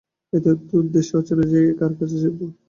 এত দূর দেশে অচেনা জায়গায় কার কাছে যাইব।